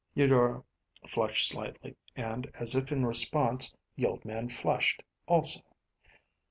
Eudora flushed slightly, and, as if in response, the old man flushed, also.